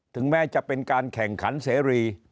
ถึงแม้จะเป็นการแข่งขันเสรี